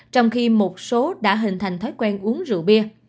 trong khi một số đã hình thành thói quen uống rượu bia